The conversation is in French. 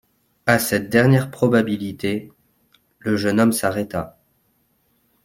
A cette dernière probabilité, le jeune homme s'arrêta.